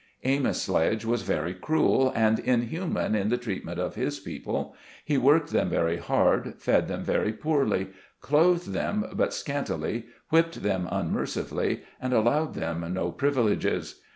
Amos Sledge was very cruel and inhuman in the treatment of his people. He worked them very hard, fed them very poorly, clothed them but scant ily, whipped them unmercifully, and allowed them no privileges.